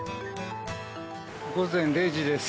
午前０時です。